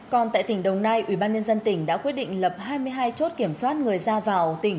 còn tại tỉnh đồng nai ủy ban nhân dân tỉnh đã quyết định lập hai mươi hai chốt kiểm soát người ra vào tỉnh